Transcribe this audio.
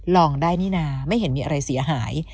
ลองได้นี่นะไม่เห็นมีอะไรเสียหาย